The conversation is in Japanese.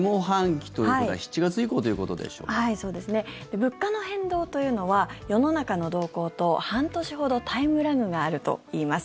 物価の変動というのは世の中の動向と半年ほどタイムラグがあるといいます。